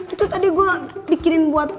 itu tadi gue pikirin buat